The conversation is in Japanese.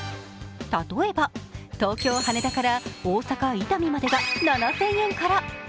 例えば、東京・羽田から大阪・伊丹までが７０００円から。